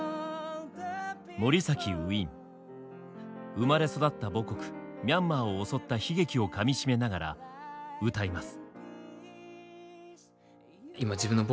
生まれ育った母国ミャンマーを襲った悲劇をかみしめながら歌います。